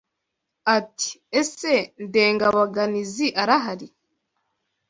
Ati “Ese Ndengabaganizi arahari